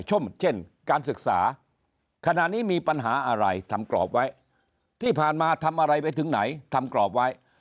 เช่นการศึกษาขณะนี้มีปัญหาอะไรทำกรอบไว้ที่ผ่านมาทำอะไรไปถึงไหนทำกรอบไว้